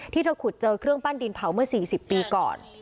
เธอขุดเจอเครื่องปั้นดินเผาเมื่อ๔๐ปีก่อน